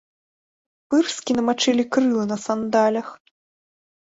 Пырскі намачылі крылы на сандалях.